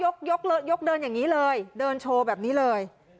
ยกเดินอย่างนี้เลยเดินโชว์แบบนี้เลย